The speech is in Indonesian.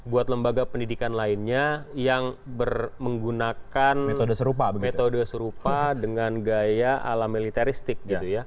buat lembaga pendidikan lainnya yang menggunakan metode serupa dengan gaya ala militeristik